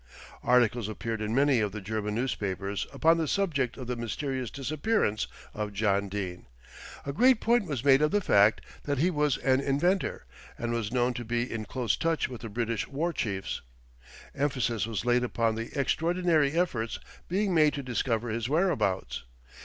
Articles appeared in many of the German newspapers upon the subject of the mysterious disappearance of John Dene. A great point was made of the fact that he was an inventor, and was known to be in close touch with the British war chiefs. Emphasis was laid upon the extraordinary efforts being made to discover his whereabouts.